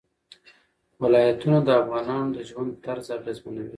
ولایتونه د افغانانو د ژوند طرز اغېزمنوي.